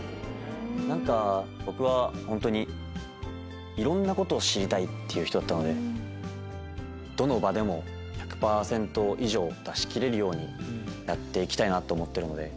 何か僕は本当にいろんなことを知りたいっていう人だったのでどの場でも１００％以上出し切れるようにやって行きたいと思ってるので。